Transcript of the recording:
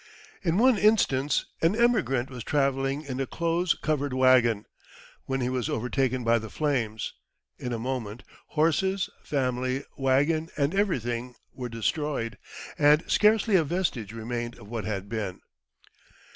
In one instance an emigrant was travelling in a close covered waggon, when he was overtaken by the flames. In a moment, horses, family, waggon, and everything were destroyed, and scarcely a vestige remained of what had been.